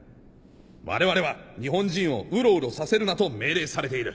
我々は日本人をウロウロさせるなと命令されている。